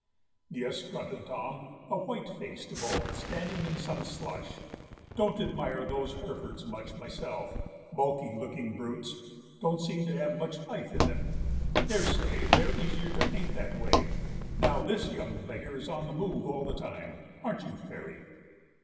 "Yes," grunted Tom; "a white faced bull standing in some slush. Don't admire those Herefords much myself; bulky looking brutes, don't seem to have much life in them. Daresay they're easier to paint that way; now, this young beggar is on the move all the time, aren't you, Fairy?"